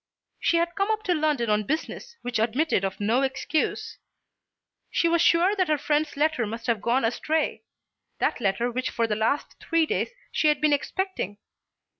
She had come up to London on business which admitted of no excuse. She was sure that her friend's letter must have gone astray, that letter which for the last three days she had been expecting.